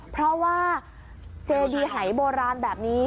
เพราะว่าเจดีหายโบราณแบบนี้